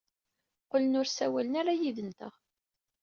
Qqlen ur ssawalen ara yid-nteɣ.